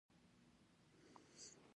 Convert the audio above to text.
دا به پیسې ولري